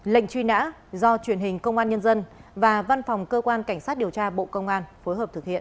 lệnh truy nã do truyền hình công an nhân dân và văn phòng cơ quan cảnh sát điều tra bộ công an phối hợp thực hiện